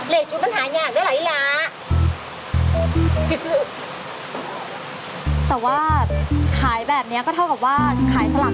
เล็กชุดเป็นหายากได้หลายล้าน